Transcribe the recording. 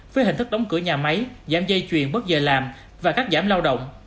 với hình thức đóng cửa nhà máy giảm dây chuyền bớt giờ làm và cắt giảm lao động